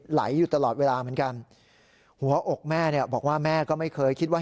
ไหลอยู่ตลอดเวลาเหมือนกันหัวอกแม่เนี่ยบอกว่าแม่ก็ไม่เคยคิดว่า